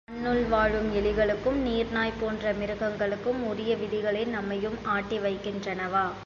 மண்ணுள் வாழும் எலிகளுக்கும், நீர் நாய் போன்ற மிருகங்களுக்கும் உரிய விதிகளே நம்மையும் ஆட்டிவைக்கின்றனவா!